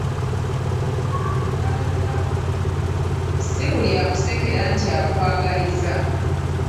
Si buli akusekera nti akwagaliza.